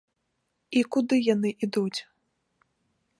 І куды яны ідуць?